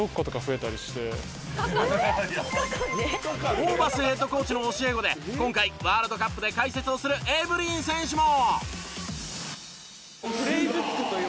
ホーバスヘッドコーチの教え子で今回ワールドカップで解説をするエブリン選手も。